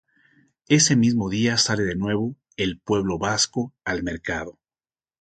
Ese mismo día sale de nuevo "El Pueblo Vasco" al mercado.